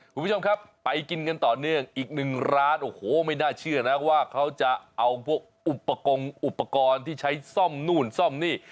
คุณผู้ชมครับไปกินกันต่อเนื่องอีกหนึ่งร้านโอ้โหไม่น่าเชื่อนะว่าเขาจะเอาพวกอุปกรณ์อุปกรณ์ที่ใช้ซ่อมนู่นซ่อมนี่